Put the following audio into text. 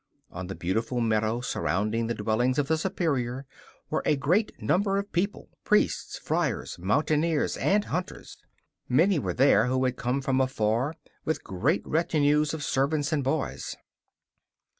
On the beautiful meadow surrounding the dwelling of the Superior were a great number of people priests, friars, mountaineers and hunters. Many were there who had come from afar with large retinues of servants and boys.